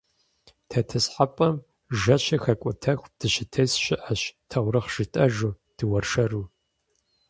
ТетӀысхьэпӀэм жэщыр хэкӀуэтэху дыщытес щыӀэщ таурыхъ жытӏэжу, дыуэршэру.